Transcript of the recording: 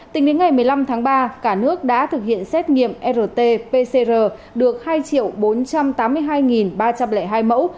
tính đến ngày một mươi năm tháng ba cả nước đã thực hiện xét nghiệm rt pcr được hai bốn trăm tám mươi hai ba trăm linh hai mẫu